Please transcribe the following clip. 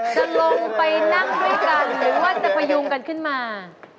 จะลงไปนั่งด้วยกันหรือว่าจะพยุงกันขึ้นมา